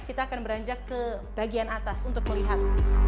kita akan beranjak ke bagian atas untuk melihat